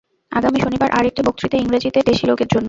আগামী শনিবার আর একটি বক্তৃতা ইংরেজীতে, দেশী লোকের জন্য।